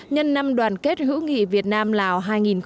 nhân năm đoàn kết hữu nghị việt nam lào hai nghìn một mươi chín